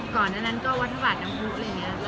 ก่อนนั้นก็วัฒนาบาทนำพูด